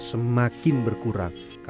semakin berkurang karena kebijakan